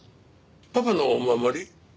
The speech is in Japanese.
パパのお守り？